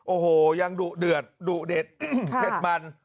โอ้โหยังดุเดือดดุเด็ดเผ็ดมัน